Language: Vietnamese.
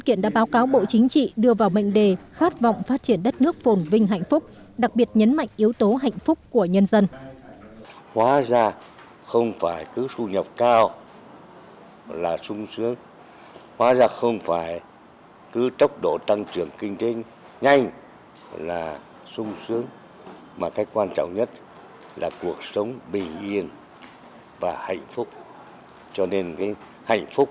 các bộ chính trị đưa vào mệnh đề khát vọng phát triển đất nước phồn vinh hạnh phúc đặc biệt nhấn mạnh yếu tố hạnh phúc đặc biệt nhấn mạnh yếu tố hạnh phúc đặc biệt nhấn mạnh yếu tố hạnh phúc